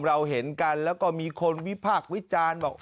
เราเห็นกันแล้วก็มีคนวิพากษ์วิจารณ์บอก